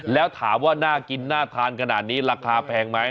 แล้วถามว่าน่ากินน่าทานขนาดนี้ราคาแพงไหม